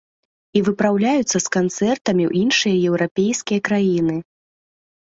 І выпраўляюцца з канцэртамі ў іншыя еўрапейскія краіны.